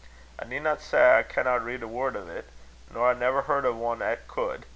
I needna say I canna read a word o't, nor I never heard o' ane 'at could.